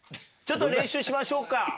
ちょっと練習しましょうか？